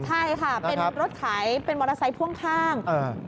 ใช่ค่ะเป็นรถขายเป็นมอเตอร์ไซค์พ่วงข้าง